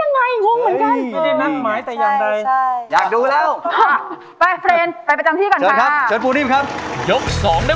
อย่าต้องบอกจริงมองตาก็รู้ใจเป็นไปที่ยังไงมันเป็นไปที่ยังไง